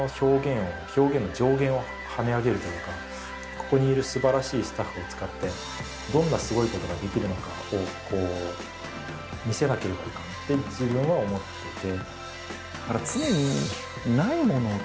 ここにいるすばらしいスタッフを使ってどんなすごいことができるのかを見せなければいかんって自分は思ってて。